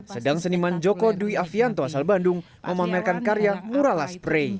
sedang seniman joko dwi afianto asal bandung memamerkan karya mural spray